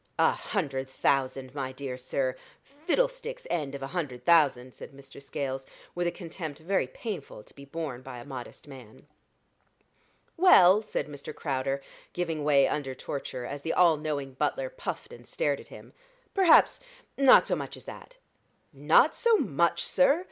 "A hundred thousand, my dear sir! fiddle stick's end of a hundred thousand," said Mr. Scales, with a contempt very painful to be borne by a modest man. "Well," said Mr. Crowder, giving way under torture, as the all knowing butler puffed and stared at him, "perhaps not so much as that." "Not so much, sir!